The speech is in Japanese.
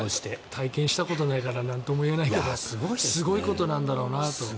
体験したことないからなんとも言えないけどすごいことなんだろうなと。